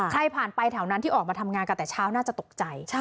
ใครผ่านไปแถวนั้นที่ออกมาทำงานกันแต่เช้าน่าจะตกใจ